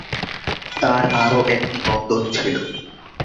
তাঁর আরও একটি বন্ধন ছিল।